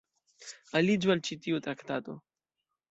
Aliĝu al ĉi tiu traktato.